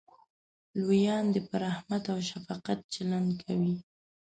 لویان دې په رحمت او شفقت چلند کوي.